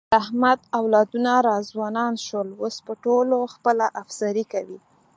د احمد اولادونه را ځوانان شول، اوس په ټولو خپله افسري کوي.